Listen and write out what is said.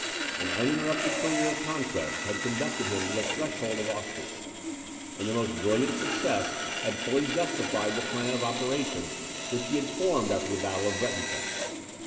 An uninterrupted career of conquest had conducted him to the threshold of Austria; and the most brilliant success had fully justified the plan of operations which he had formed after the battle of Breitenfeld.